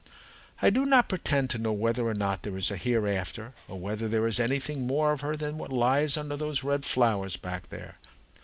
I do not pretend to know whether or not there is a hereafter, or whether there is anything more of her than what lies under those red flowers back there.